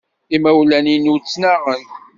Imawlan-inu ttnaɣen.